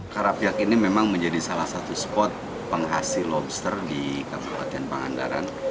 karapiak ini memang menjadi salah satu spot penghargaan